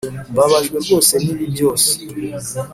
mbabajwe rwose nibi byose.